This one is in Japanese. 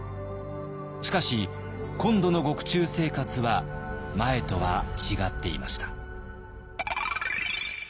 しかし今度の獄中生活は前とは違っていました。